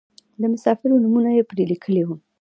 د مسافرو نومونه یې پرې لیکلي وو.